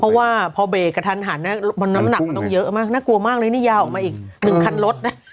เพราะว่าพอเบรกกระทันหันน้ำหนักมันต้องเยอะมากน่ากลัวมากเลยนี่ยาวออกมาอีกหนึ่งคันรถนะ